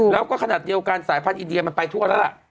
แล้วก็ขนาดเดียวกันสายพันธุอินเดียมันไปทั่วแล้วล่ะ